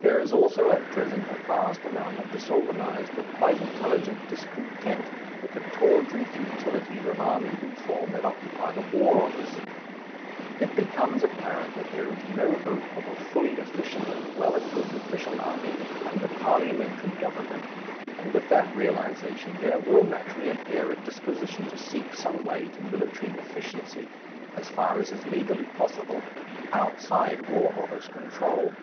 There is also at present a vast amount of disorganized but quite intelligent discontent with the tawdry futilities of army reform that occupy the War Office. It becomes apparent that there is no hope of a fully efficient and well equipped official army under parliamentary government, and with that realization there will naturally appear a disposition to seek some way to military efficiency, as far as is legally possible, outside War Office control.